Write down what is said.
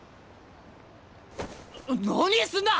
何すんだ！